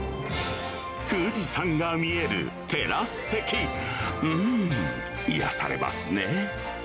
富士山が見えるテラス席、うーん、癒やされますね。